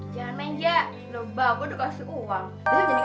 jangan main gak loba gue udah kasih uang